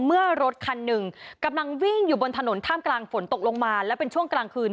เมื่อรถคันหนึ่งกำลังวิ่งอยู่บนถนนท่ามกลางฝนตกลงมาและเป็นช่วงกลางคืน